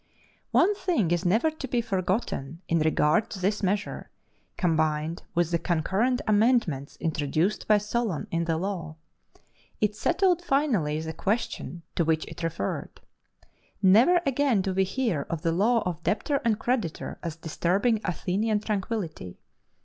One thing is never to be forgotten in regard to this measure, combined with the concurrent amendments introduced by Solon in the law it settled finally the question to which it referred. Never again do we hear of the law of debtor and creditor as disturbing Athenian tranquillity.